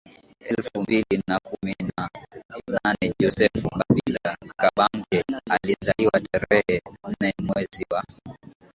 elfu mbili na kumi na naneJoseph Kabila Kabange alizaliwa tarehe nne mwezi wa